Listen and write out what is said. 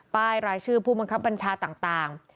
รายชื่อผู้บังคับบัญชาต่าง